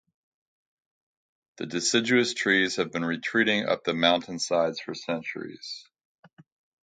The deciduous trees have been retreating up the mountainsides for centuries.